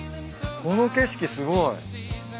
この景色すごい。